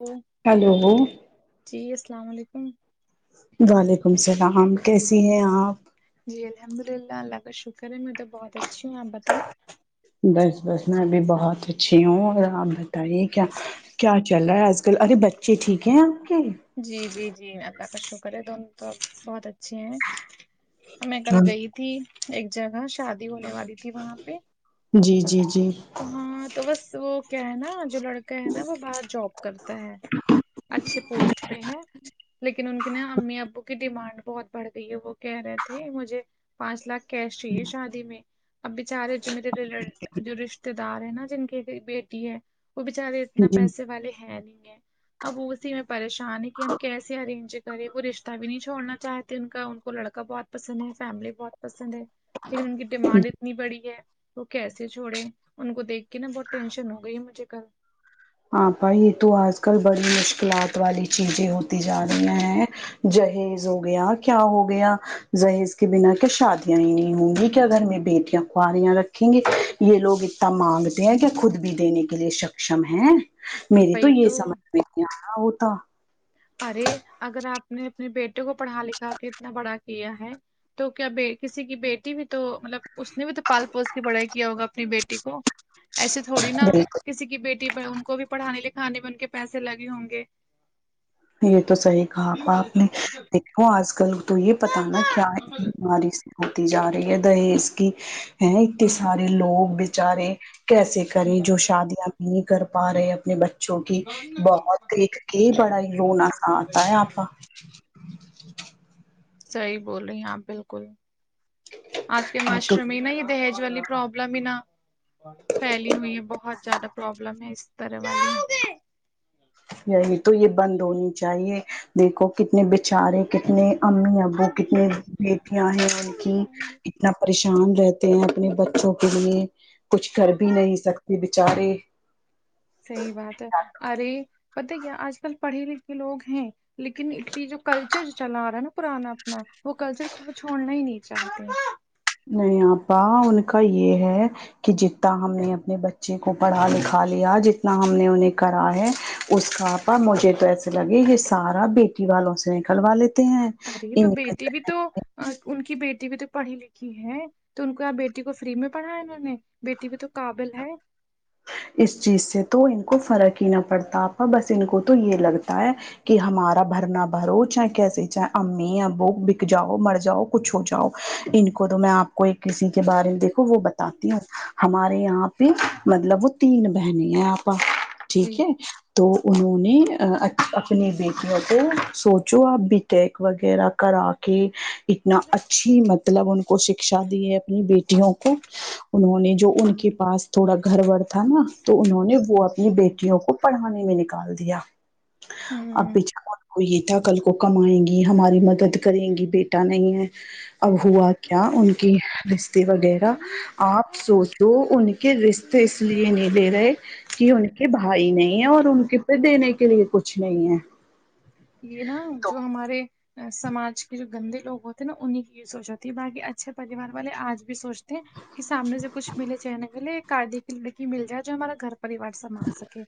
او hello جی السلام علیکم وعلیکم السلام كسی ہیں آپ جی الحمد للہ اللہ کا شکر ہے میں تو بہت اچھی ہوں آپ بتائیں بس بس میں ابھی بہت اچھی ہوں اور آرام سے بتائیے کیا کیا چل رہا ہے آج کل ارے بچے ٹھیک ہیں آپ کے جی جی جی اللہ کا شکر ہے دونوں تو اب بہت اچھے ہیں میں کل گئی تھی ایک جگہ شادی ہونے والی تھی وہاں پہ جی جی جی تو ہاں تو بس وہ کیا ہے نا جو لڑکا ہے نا وہ باہر جاب کرتا ہے اچھے پوسٹ پہ ہیں لیکن ان کے نا امی ابو کی ڈیمانڈ بہت بڑھ گئی ہے وہ کہہ رہے تھے مجھے پانچ لاکھ کیش چاہیے شادی میں اب بیچارے جو میرے ری رشتے دار ہے نا جن کی بیٹی ہے وہ بچارے اتنا جی پیسے والے ہے نہیں ہے اب وہ اسی میں پریشان ہے کہ ہم کیسے ارینج کرے وہ رشتہ بھی نہیں چھڑنا چاہتے ان کا ان کو لڑکا بہت پسند ہے فیملی بہت پسند ہے لیکن ان کی ڈیمانڈ اتنی بڑی ہے وہ کیسے سے چھوڑے ان کو دیکھ کے نا بہت ٹینشن ہو گئی ہے مجھے کل ہاں بھائی یہ تو آج کل بڑی مشکلات والی چیزیں ہوتی جا رہی ہیں جہیز ہو گیا کیا ہو گیا جہیز کے بنا کیا شادیاں ہی نہیں ہوں گی کیا گھر میں بیٹیاں کہریاں رکھیں گے یہ لوگ اتنا مانگتے ہیں کہ خود بھی دینے کے لیے سکشم ہے میری تو یہ سمجھ میں نہیں آ رہا ہوتا ارے اگر آپ نے اپنے بیٹے کو پڑھا لکھا کے اتنا بڑا کیا ہے تو کیا کسی کی بیٹی بھی تو مطلب اس نے بھی تو پال پوس کے پڑھائی کیا ہوگا اپنی بیٹی کو ایسے تھوڑی نا بالکل کسی کی بیٹی ان کو بھی پڑھانے لکھانے میں ان کے پیسے لگے ہوں گے یہ تو صحیح کہا آپا آپ نے دیکھو آج کل تو یہ پتا نا کیا ہے بیماری سے ہوتی جا رہی ہے دہیز کی ہے اتنے سارے لوگ بچارے کیسے کریں جو شادیاں نہیں کر پا رہے اپنے بچوں کی بہت دیکھ کے بڑا ہی روناساآتا ہے آپا صحیح بول رہی ہیں آپ بالکل آج کے یہ تو معاشر میں میں ہی دہج پروابلم ہے نا ہو پھیلی ہوئی ہے بہت زیادہ پروابلم ہے اس طرح والی یہی تو یہ بند ہونی چاہیے دیکھو کتنے بچارے کتنے امی ابو کتنے بیٹیاں ہیں ان کی اتنا پریشان رہتے ہیں اپنے بچوں کے لیے کچھ کر بھی نہیں سکتے بچارے صحیح بات ہے ارے پتا ہیں کیا آج کل پڑھے لکھے لوگ ہیں لیکن اتنی جو کل چر چلا آ رہا ہے نا پرانا اپنا وہ کلچر کو چھوڑنا ہی نہیں چاہتے نہیں آپا ان کا یہ ہے کہ جتنا ہم نے اپنے بچے کو پڑھا لکھا لیا جتنا ہم نے انہیں کرا ہے اس کا مجھے تو ایسے لگے یہ سارا بیٹی والوں سے نکلوا لیتے ہیں ارے تو ان بیٹی بھی تو ان کی بیٹی بھی تو پڑھی لکھی ہے تو ان کو ار بیٹی کو فری میں پڑھایا انہوں نے بیٹی بھی تو قابل ہے اس چیز سے تو ان کو فرق ہی نہ پڑتا آپا بس ان کو تو یہ لگتا ہے کہ ہمارا بھرنا بھرو چاہے کیسے چاہے امی ابو بک جاؤ مر جاؤ کچھ ہو جاؤ ان کو تو میں آپ کو ایک کسی کے بارے میں دیکھو وہ بتاتی ہوں ہمارے یہاں پہ مطلب وہ تین بہنیں ہیں آپا جی ٹھیک ہے تو انہوں نے اپنی بیٹیوں کو سوچو آپ بی ٹیک وغیرہ کرا کہ اتنا اچھی مطلب ان کو شکشا دی ہے اپنی بیٹیوں کو انہوں نے جو ان کے پاس تھوڑا گھر ور تھا نا تو انہوں نے وہ اپنی بیٹیوں کو پڑھانے میں نکال دیا ہوں اب بیچ ک کو یہ تھا کل کو کمائیں گی ہماری مدد کریں گی بیٹا نہیں ہے اب ہوا کیا ان کی رشتے وغیرہ آپ سوچو ان کے رشتے تواس لیے دیرے کہ ان کے بھائی نہیں ہے اور ان کے پہ دینے کے لیے کچھ نہیں ہے یہ نا جو تو ہمارے سماج کے جو گندے لوگ ہوتے ہیں نا انہیں کی یہ سوچ ہوتی ہے باقی اچھے پریوار والے آج بھی سوچتے کہ سامنے سے کچھ ملے چاہے نہ ملے ایک آدے کی لڑکی مل جائے جو ہمارا گھر پریوار سنبھال سکے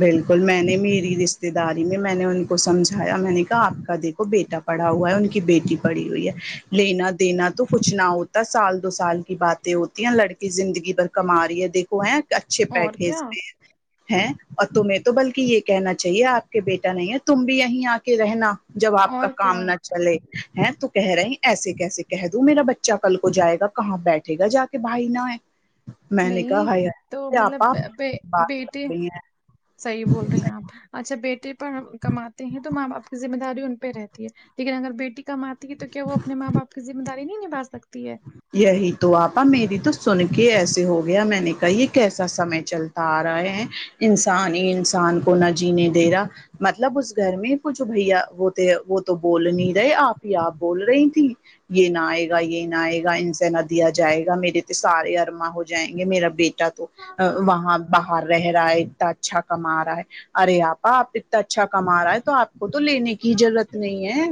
بالکل میں نے میری رشتے داری میں میں نے ان کو سمجھایا میں نے کہا آپ کا دیکھو بیٹا پڑا ہوا ہے ان کی بیٹی پڑی ہوئی ہے لینا دینا تو کچھ نہ ہوتا سال دو سال کی بات ہوتی ہیں لڑکی زندگی بھر کما رہی ہے دیکھو ہے اچھے اور کیا پیکج پہ ہے اور تمہیں تو بلکہ یہ کہنا چاہیے آپ کے بیٹا نہیں ہے تم بھی یہیں آ کے رہنا جب آپ کا اور کام کیا نہ چلے ہیں تو کہہ رہے ہیں ایسے کیسے کہہ دوں میرا بچہ کل کو جائے گا کہاں بیٹھے گا جا کے بھائی نہ ہے میں نے کہا نہیں ہائی تو ہائی آپا مطلب بات کر بیٹے رہی ہیں صحیح بول رہی ہیں آپ اچھا بیٹے کماتے ہیں تو ماں باپ کی ذمہ داری ان پہ رہتی ہے لیکن اگر بیٹی کم آتی ہے تو کیا وہ اپنے ماں باپ کی ذمہ داری نہیں نبا سکتی ہے یہی تو آپا میری تو سن کے ایسے ہو گیا میں نے کہا یہ کیسا سمے چلتا آ رہے ہیں انسان ہی انسان کو نہ جینے دے رہا مطلب اس گھر میں وہ جو بھیا وہتے وہ بول نہیں رہے آپ ہی آپ بول رہی تھی یہ نہ آئے گا یہ نہیں آئے گا انس نہ دیا جائےا میرے ت سے ارما ہو جائیں گے میرا بیٹا تو وہاں باہر رہ رہا ہے اتنا اچھا کما رہا ہے ارے آپا آپ اتنا اچھا کما رہا ہے تو آپ کو تو لینے کی ضرورت نہیں ہے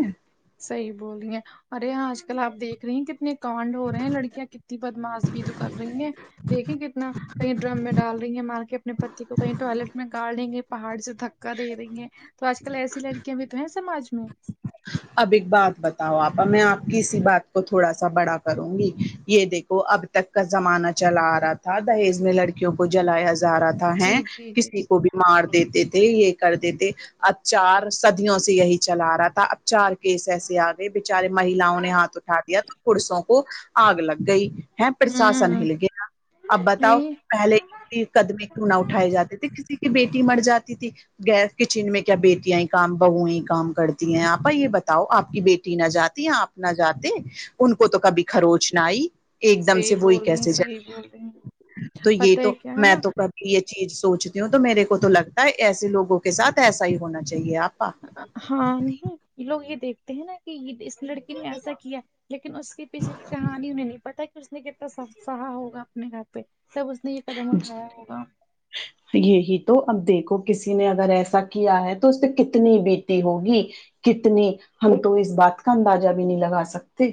صحی بول رہی ہیں ارے آج کل آپ دیکھ رہی ہیں کتنے کانڈ ہو رہے ہیں لڑکیاں کت بدماش بھی تو کر رہی ہیں دیکھیں کتنا کہیں ڈرم میں ڈال رہی ہیں مار کے اپنی پتی کو کہیں ٹوائلٹ میں گڑ دیں گے پہاڑ سے دھکا دے دیںے تو آج کل ایسی لڑکیاں بھی تو ہیں سماج میں اب ایک بات بتاؤ آپ اور میں آپ کی اسی بات کو تھوڑا سا بڑا کروں گی یہ دیکھو اب تک کا زمانہ چلا آ رہا تھا تھا دہیز میں لڑکیوں کو جلایا جا رہا تھا ہے جی جی جی کسی کو بھی مار دیتے تھے یہ کر دیتے تھے ا چار سدیوں سے یہی چلا رہا تھا چار کیس ایسے آ گئے بچارے مہلاؤں نے ہاتھ اٹھا دیا تو پڑسوں کو آگ لگ گئی ہے پھر ساسا نہیں ہوں لگے گا اپ بتاؤ نہیں پہلے قدمے کیوں نہ اٹھائے جاتے تھے کسی کی بیٹی مر جاتی تھی گیس کچن میں کیا بیٹیاں کام بہو کام کرتی ہیں آپ پپا یہ بتاؤ آپ کی بیٹی نہ جاتی آپ نہ جاتے ان کو تو کبھی خروچ نہ آئی ایک دم سے صحیح وہی بول رہی ہیں کیسے جائے صحیح بول رہی ہیں تو یہ پتہ ہے تو کیا ہے میں نا تو یہ چیز سوچتی ہوں تو میرے کو تو لگتا ہے ایسے لوگوں کے ساتھ ایسا ہی ہونا چاہیے آپ کا ہاں نہیں یہ لوگ یہ دیکھتے ہیں نا کہ اس لڑکی نے ایسا کیا لیکن اس کے پیچھے کی کہانی انہیں نہیں پتا کہ اس نے کنے سہا ہوگا اپنے گھر پہ تب اس نے یہ قدم اٹھایا ہوگا یہی تو اب دیکھو کسی نے اگر ایسا کیا ہے تو اس پ سے کتنی بیتی ہوگی کتنی ہم تو اس بات کا اندازہ بھی نہیں لگا سکتے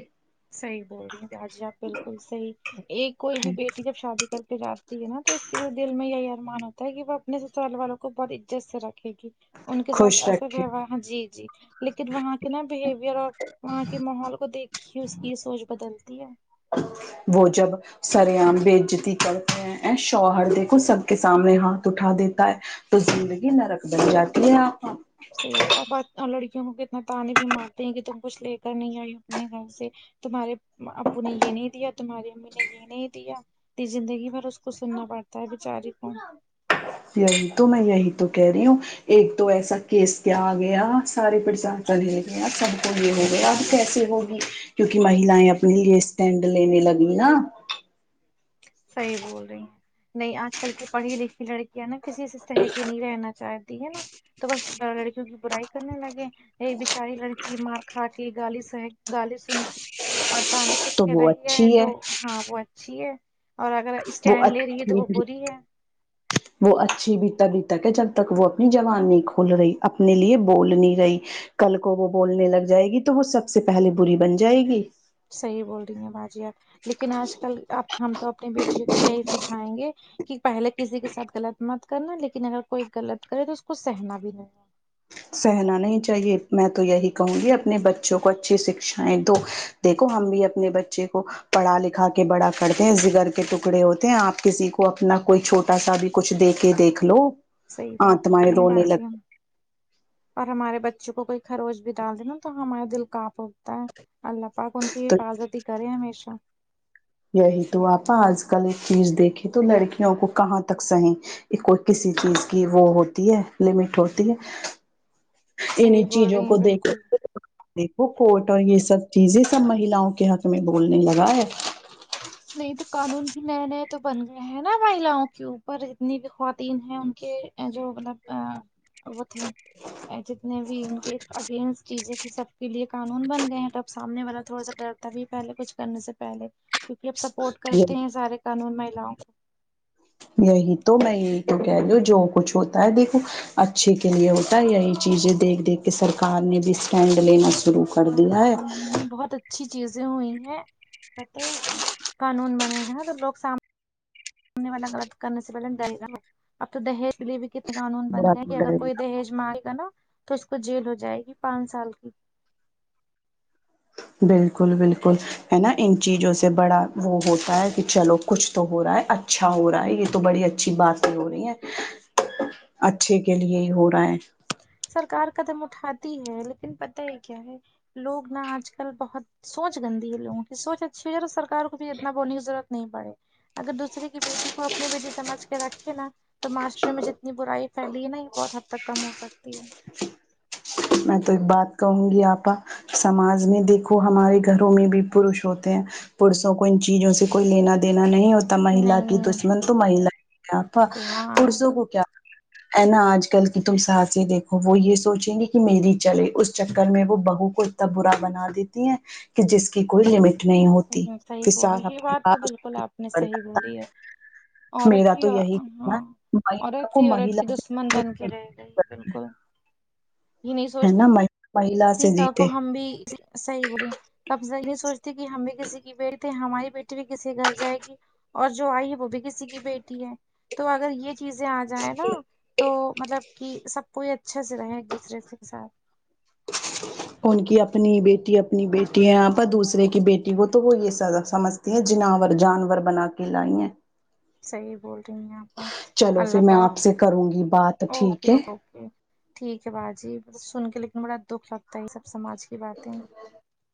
صحیح بول رہی ہیں تاجی آپ بالکل صحیح ایک کوئی بھی بیٹی جب شادی پھر آپ کے یہاں تو اس کے دل میں یہی ارمان ہوتا ہے کہ وہ اپنے سسرال والوں کو بڑی عزت سے رکھے گی ان کے ساتھ خوش ایسا رکھے ویوار جی جی لیکن وہاں کے نا بہیوئر اور وہاں کے ماحول کو دیکھنےسے سوچ بدلتی ہے وہ جب سرے عام بےعزتی کرتے ہیں شو ہر دیکھو سب کے سامنے ہاتھ اٹھا دیتا ہے تو زندگی نرک بن جاتی ہے آپا صحیح بات- اور بات اور لڑکیوں کو کتنا تانے بھی مارتے ہیں کہ تم کچھ لے کر نہیں آئی ہو اپنے گھر سے تمہارے ابو نے یہ نہیں دیا تمہاری امی نے یہ نہیں دیا کہ زندگی بھر اس کو سننا پڑتا ہے بچاری کو یہی تو میں یہی تو کہہ رہی ہوں ایک تو ایسا کیس کیا آ گیا سارے [unintelligible] [unintelligible] اب کیسے ہوگی کیونکہ مہیلایں اپنی ایسٹینڈ لینے لگی نا صحیح بول رہی نہیں آج کل کی پڑھی لکھی لڑکی یہ نا کسی سسستح کہ نہیں رہنا چاہتی ہے نا تو بس لڑکیوں کی برائی کرنے لگے ایک بچاری لڑکی مار کھا کے گالی س گالی سن کے اور تو طعنےسنتی وہ رہی ہے اچھی تو ہاں وہ اچھی ہے اور اگر وہ اسٹینڈ لے رہی ہے تو اچھی وہ بھی بری ہے وہ اچھی بھی تب ہی تک ہے جب تک وہ اپنی زبان نہیں کھول رہی اپنے لیے بول نہیں رہی کل کو وہ بولنے لگ جائے گی تو وہ سب سے پہلے بری بن جائے گی صحیح بول رہی ہیں باجی آب لیکن آج کل اب ہم تو اپنی بیٹیوں کو یہی سکھائیں گے کہ پہلے کسی کے ساتھ غلط مت کرنا لیکن اگر کوئی غلط کرے تو اس کو سہنا بھی نہیں ہے۔ سہنا نہیں چاہیے میں تو یہی کہوں گی اپنے بچوں کو اچھی سکھ شایں دو دیکھو ہم بھی اپنے بچے کو پڑھا لکھا کے بڑا کرتے ہیں جگر کے ٹکڑے ہوتے ہیں آپ کسی کو اپنا کوئی چھوٹا سا بھی کچھ دے کے دیکھ لو صحیح بات بول آتمائیں رہے ہیں رونے باجی ہم لگ اور ہمارے بچوں کو کوئی خروش بھی ڈال دینا تو ہمارا دل کانپ اٹھتا ہے اللہ پاک ان کی تو حفاظت ہی کریں ہمیشہ یہی تو آپا آج کل ایک چیز دیکھیں تو لڑکیوں کو کہاں تک سہیں کوئی کسی چیز کی وہ ہوتی ہے لمٹ ہوتی ہے انھیں صحیح بول چیزوں رہی کو ہیں بالکل دیکھو کوٹ اور یہ سب چیزیں سب مہیلاؤں کے حق میں بولنے لگا ہے نہیں تو قانون بھی نئے نئے تو بن گئے ہیں نا مہیلاوں کے اوپر اتنی بھی خواتین ہیں ان کے [unintelligible] جتنے بھی ان کے اگینسٹ چیزیں تھی سب کے لیے قانون بن گئے ہیں تو اب سامنے والا تھوڑا سا ڈر تبھی پہلے کچھ کرنے سے پہلے پھر بھی اب سپورٹ یہ کرتے ہیں سارے قانون مہیلاؤں یہی تو میں یہی تو کہہ رہی ہوں جو کچھ ہوتا ہے دیکھو اچھے کے لیے ہوتا ہے یہی چیزیں دیکھ دیکھ کے سرکار نے بھی اسٹینڈ لینا شروع کر دیا ہے کو بہت اچھی چیزیں ہوئی ہیں کیا قانون بنے گا تو لوگ سامنے سامنے والا غلط کرنے سے پہلے ڈریگا اب تو دہیج کے لیے بھی کتنے قانون بن برا تو گئے اگر ڈرے کوئی گا دہیج مانگے گا نا تو اس کو جیل ہو جائے گی پانچ سال کی بالکل بالکل ہے نا ان چیزوں سے بڑا وہ ہوتا ہے کہ چلو کچھ تو ہو رہا ہے اچھا ہو رہا ہے یہ تو بڑی اچھی باتیں ہو رہی ہیں اچھے کے لیے ہی ہو رہا ہے سرکار قدم اٹھاتی ہے لیکن پتہ یہ کیا ہے لوگ نا آج کل بہت سوچ گندی ہے لوگوں کی سوچ اچھی رکھو سرکار کو بھی اتنا بولنے کی ضرورت نہیں پڑے اگر دوسرے کی بیٹی کو اپنی بیٹی سمجھ کے رکھے نا تو معاشرے میں جتنی برائی پھیلی ہے نا یہ بہت حد تک کم ہو سکتی ہے میں تو ایک بات کہوں گی آپا سماج میں دیکھو ہمارے گھروں میں بھی پروش ہوتے ہیں پرسوں کو ان چیزوں سے کوئی لینا دینا نہیں ہوتا مہیلا نہیں کی نہیں دشمن تو مہیلا آپ ہاں پرسوں کو کیا آ ہ نا آج کل کی تم سات سے دیکھو وہ یہ سوچیں گے میری چلے اس چکر میں وہ بہو کو اتنا برا بنا دیتی ہیں کہ جس کی کوئی لمٹ نہیں ہوتی صحیح بولی فسال یہ اپنے بات تو پاس بالکل آپ نے صحیح بولی ہے میرا عورت ہی تو اور- یہی ہاں کہنا مہ عورت کو ہی عورت مہلا کی دشمن سے بن کے رہ گئی ہے، بالکل یہ نہیں سوچ ہے نا مہیلا سے کل کو جیتے ہم بھی صحیح بولیں کبض یہ سوچتی کہ ہم بھی کسی کی بیٹ تھے ہماری بیٹی بھی کسی گھر جائے گی اور جو آئی ہے وہ بھی کسی کی بیٹی ہے تو اگر یہ چیزیں آ جائیں نا تو مطلب کہ سب کوئی اچھے سے رہے ایک دوسرے کے ساتھ ان کی اپنی بیٹی اپنی بیٹی ہے آپا دوسرے کی بیٹی کو تو وہ یہ سزا سمجھ ج جناور جانور بنا کے لائی ہے صحیح بول رہی ہیں آپا چلو پھر میں آپ سے کروں گی بات ٹھیک اوکے ہے اوکے ٹھیک ہے باجی بس سن کے لیکن بڑا دکھ لگتا ہے یہ سب سماج کی باتیں